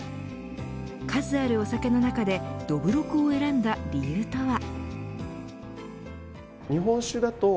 数あるお酒の中でどぶろくを選んだ理由とは。